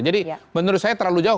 jadi menurut saya terlalu jauh